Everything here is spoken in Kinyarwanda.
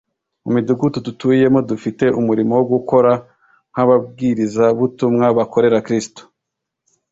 mu midugudu dutuyemo dufite umurimo wo gukora nk'ababwirizabutumwa bakorera Kristo.